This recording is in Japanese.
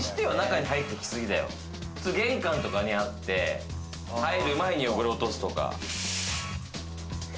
普通、玄関とかにあって、入る前に汚れ落とすとか。